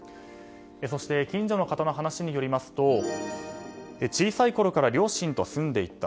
そして近所の方の話によりますと小さいころから両親と住んでいた。